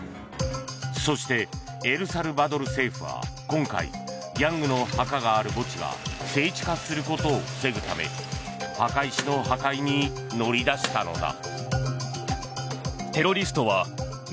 そしてエルサルバドル政府は今回ギャングの墓がある墓地が聖地化することを防ぐため墓石の破壊に乗り出したのだ。